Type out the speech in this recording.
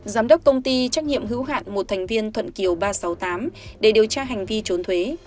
giám đốc công ty trách nhiệm hữu hạn một thành viên thuận kiều ba trăm sáu mươi tám để điều tra hành vi trốn thuế